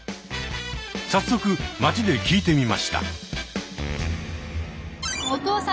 早速街で聞いてみました。